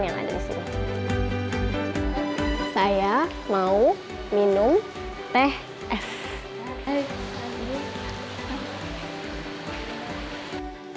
saya mau minum teh es